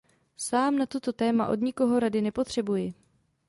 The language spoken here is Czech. Sám na toto téma od nikoho rady nepotřebuji.